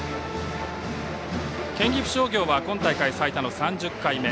県岐阜商業は今大会最多の３０回目。